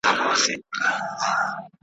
هم خالق یې هم سلطان یې د وگړو ,